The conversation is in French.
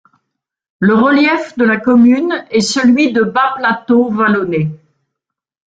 Le relief de la commune est celui de bas plateaux vallonnés.